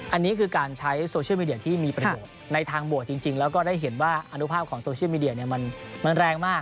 อันนี้คือการใช้โซเชียลมีเดียที่มีประโยชน์ในทางบวกจริงแล้วก็ได้เห็นว่าอนุภาพของโซเชียลมีเดียมันแรงมาก